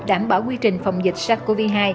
đảm bảo quy trình phòng dịch sars cov hai